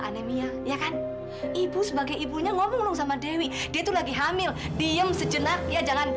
anemia iya kan ibu sebagai ibunya ngobrol hai itu lagi hamil diem sejenak ya jangan